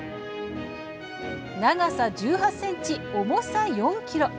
長さ１８ｃｍ、重さ４ｋｇ。